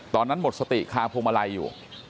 ตอนนั้นหมดสติคาพวงมาลัยอยู่